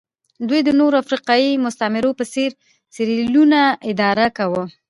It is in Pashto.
دوی د نورو افریقایي مستعمرو په څېر سیریلیون اداره کاوه.